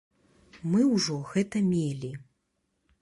Мы ўжо гэта мелі.